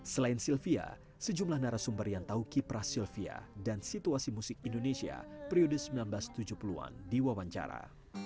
selain sylvia sejumlah narasumber yang tahu kiprah sylvia dan situasi musik indonesia periode seribu sembilan ratus tujuh puluh an diwawancara